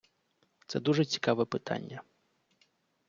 Це дуже цікаве питання.